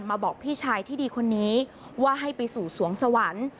บอกพี่ชายที่ดีคนนี้ว่าให้ไปสู่สวงสวรรค์